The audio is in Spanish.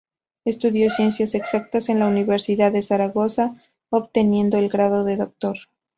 Estudió Ciencias exactas en la Universidad de Zaragoza, obteniendo el grado de doctor.